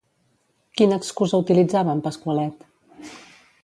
Quina excusa utilitzava en Pasqualet?